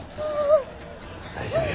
大丈夫や。